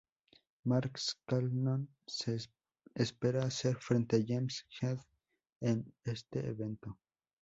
Mark Scanlon se espera hacer frente a James Head en este evento.